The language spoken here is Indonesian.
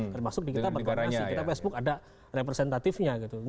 termasuk di kita berkoordinasi kita facebook ada representatifnya gitu